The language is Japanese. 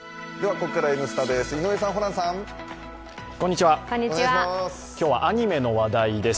ここからは「Ｎスタ」です。